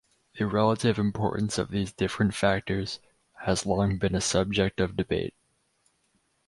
The relative importance of these different factors has long been a subject of debate.